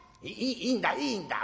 いいんだいいんだ